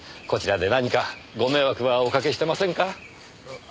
こちらで何かご迷惑はおかけしてませんか？